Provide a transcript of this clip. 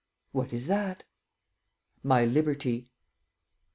"What is that?" "My liberty."